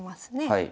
はい。